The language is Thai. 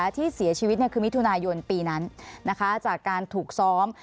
ที่เสียชีวิตคือมิถุนายนปีนั้นจากการถูกซ้อม